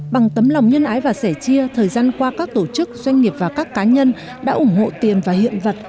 bằng tấm lòng nhân ái và sẻ chia thời gian qua các tổ chức doanh nghiệp và các cá nhân đã ủng hộ tiền và hiện vật